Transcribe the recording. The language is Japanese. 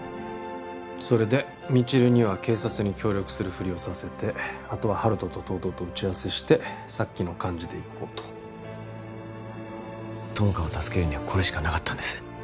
それで未知留には警察に協力するふりをさせてあとは温人と東堂と打ち合わせしてさっきの感じでいこうと友果を助けるにはこれしかなかったんです